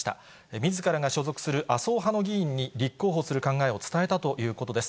みずからが所属する麻生派の議員に、立候補する考えを伝えたということです。